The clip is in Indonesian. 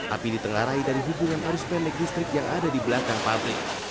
api diterlarai dari hubungan arus pendek listrik yang ada di belakang pabrik